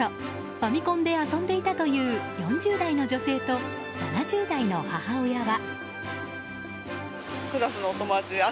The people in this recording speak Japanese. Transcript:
ファミコンで遊んでいたという４０代の女性と７０代の母親は。